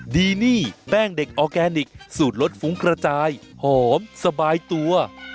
ดีนี่แป้งเด็กออร์แกนิคสูตรรสฟุ้งกระจายหอมสบายตัว